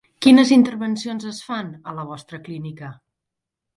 Quines intervencions es fan a la vostra clínica?